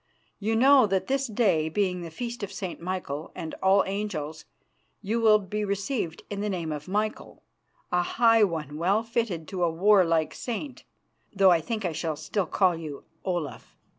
You know that this day being the Feast of St. Michael and All Angels, you will be received in the name of Michael, a high one well fitted to a warlike saint, though I think that I shall still call you Olaf.